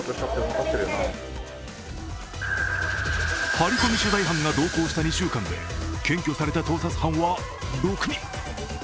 ハリコミ取材班が同行した２週間で検挙された盗撮犯は６人。